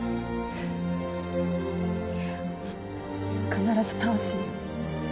必ず倒すの。